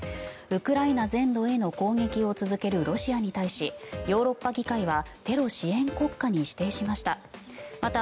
ウクライナ全土への攻撃を続けるロシアに対しヨーロッパ議会はテロ支援国家に指定しました。